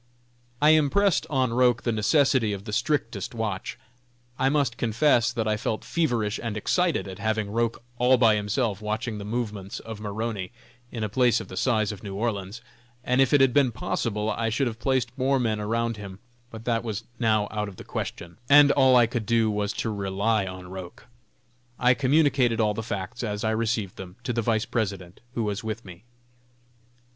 I impressed on Roch the necessity of the strictest watch. I must confess that I felt feverish and excited at having Roch all by himself watching the movements of Maroney, in a place of the size of New Orleans, and if it had been possible I should have placed more men around him; but that was now out of the question, and all I could do was to rely on Roch. I communicated all the facts, as I received them, to the Vice President, who was with me.